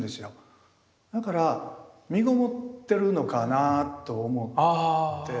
だから身ごもってるのかなぁと思って。